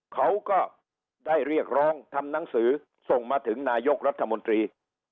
เขาก็ได้เรียกร้องทำหนังสือส่งมาถึงนายกรัฐมนตรี